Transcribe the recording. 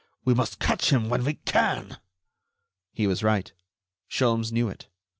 We must catch him when we can." He was right; Sholmes knew it.